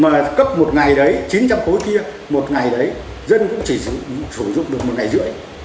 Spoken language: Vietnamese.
mà là cấp một ngày đấy chín trăm linh cối kia một ngày đấy dân cũng chỉ sử dụng được một ngày rưỡi